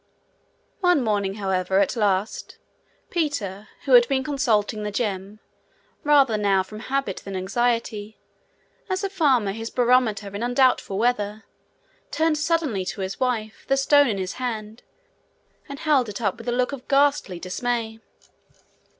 One morning, however, at last, Peter, who had been consulting the gem, rather now from habit than anxiety, as a farmer his barometer in undoubtful weather, turned suddenly to his wife, the stone in his hand, and held it up with a look of ghastly dismay.